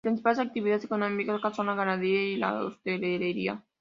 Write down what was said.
Las principales actividades económicas son la ganadería y la hostelería.